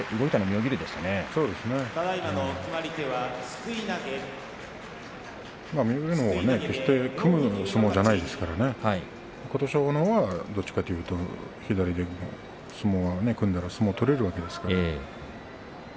妙義龍のほうが決して組む相撲じゃないですから琴勝峰のほうはどちらかというと左で相撲を組んだら相撲を取れるわけですから。